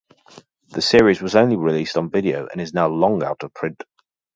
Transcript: The series was only released on video and is now long out of print.